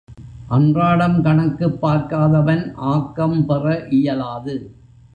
அன்றாடம் கணக்குப் பார்க்காதவன் ஆக்கம் பெற இயலாது.